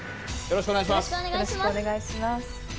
よろしくお願いします。